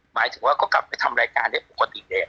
หมายถึงว่าก็กลับไปทำรายการได้ปกติเลย